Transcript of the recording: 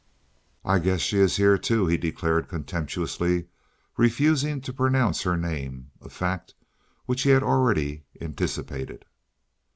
"I guess she is here, too," he declared, contemptuously, refusing to pronounce her name, a fact which he had already anticipated.